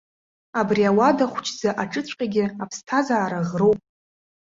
Абри ауада хәҷ-ӡа аҿыҵәҟьагьы аԥсҭазаара ӷроуп.